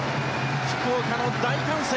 福岡の大歓声。